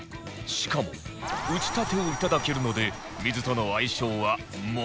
しかも打ちたてをいただけるので